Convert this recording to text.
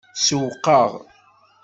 Sewwqeɣ.